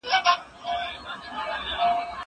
زه به لوبه کړې وي!